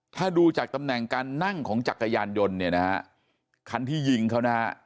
ถ้าดูจากตำแหน่งการนั่งของจักรยานยนต์เนี่ยนะฮะคันที่ยิงเขานะฮะ